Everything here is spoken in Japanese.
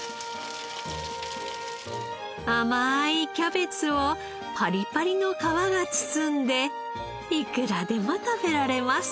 甘いキャベツをパリパリの皮が包んでいくらでも食べられます。